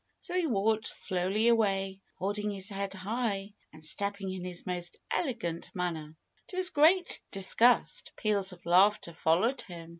So he walked slowly away, holding his head high and stepping in his most elegant manner. To his great disgust peals of laughter followed him.